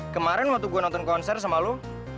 kemarin waktu gue nonton konser sama lo